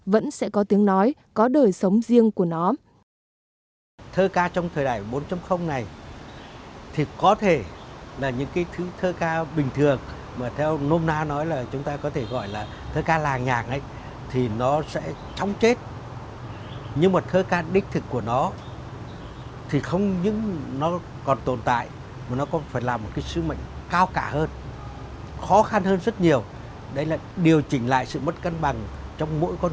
vẫn sẽ có tiếng nói có đời sống riêng của nó